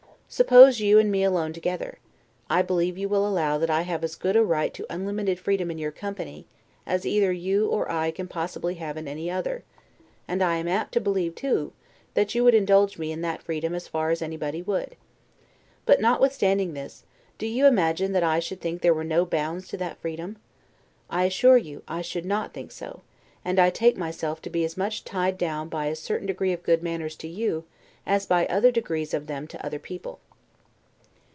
Suppose you and me alone together; I believe you will allow that I have as good a right to unlimited freedom in your company, as either you or I can possibly have in any other; and I am apt to believe too, that you would indulge me in that freedom as far as anybody would. But, notwithstanding this, do you imagine that I should think there were no bounds to that freedom? I assure you, I should not think so; and I take myself to be as much tied down by a certain degree of good manners to you, as by other degrees of them to other people.